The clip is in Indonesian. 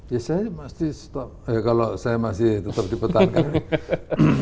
ya saya masih tetap di petang kali ini